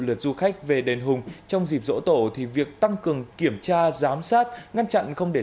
lượt du khách về đền hùng trong dịp dỗ tổ thì việc tăng cường kiểm tra giám sát ngăn chặn không để